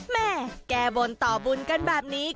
แม่แก้บนต่อบุญกันแบบนี้